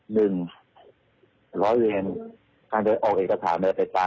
หนึ่งร้อยเวียนการจะออกเอกสารมันจะไปตามที่ของสลาม